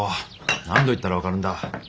何度言ったら分かるんだ。